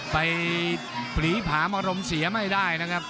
ไปผลีผ้ามารมเสียไม่ได้นะครับ